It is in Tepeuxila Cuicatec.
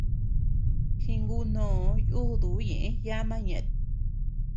Jingunoo yúduu ñeʼë yama ñëʼét.